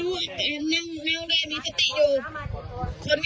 อยู่ทางนู้นครับ